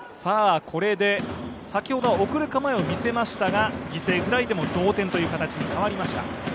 先ほどは送る構えを見せましたが犠牲フライでも同点という形に変わりました。